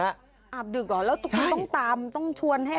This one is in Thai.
อาบดึกเหรอแล้วคุณต้องตามต้องชวนให้